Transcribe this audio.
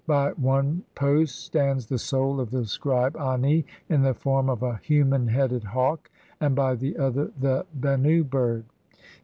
Bv one post stands the soul of the scribe Ani in the form of a human headed hawk, and by the other the Benmi bird.